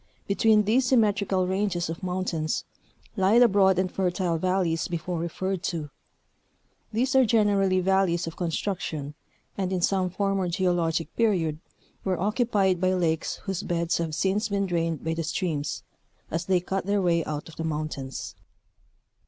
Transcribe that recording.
Between these symmet rical ranges of mountains lie the broad and fertile valleys before referred to. These are generally valleys of construction, and in some former geologic period were occupied by lakes whose beds have since been drained by the streams, as they cut their way out of the mountains.